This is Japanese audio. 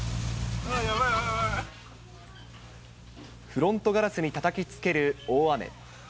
フロントガラスにたたきつける大雨。